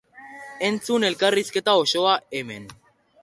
Entzun elkarrizketa osoa, hemen.